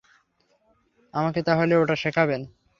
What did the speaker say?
আমাকে তাহলে ওটা শেখাবেন।